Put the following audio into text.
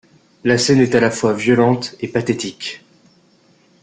La scène est à la fois violente et pathétique.